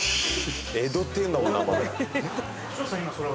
江戸って言うんだもんな。